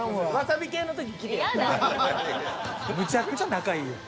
むちゃくちゃ仲いいやん。